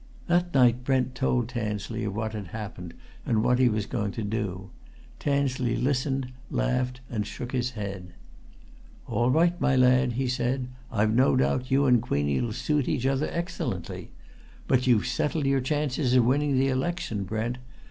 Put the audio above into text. That night Brent told Tansley of what had happened and what he was going to do. Tansley listened, laughed, and shook his head. "All right, my lad!" he said. "I've no doubt you and Queenie'll suit each other excellently. But you've settled your chances of winning that election, Brent!